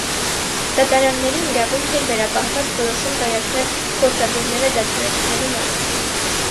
Դատարաններին իրավունք էր վերապահված որոշում կայացնել գործադուլները դադարեցնելու մասին։